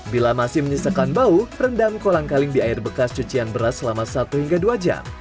bila masih menyisakan bau rendam kolang kaling di air bekas cucian beras selama satu hingga dua jam